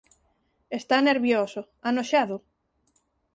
Está nervioso, anoxado.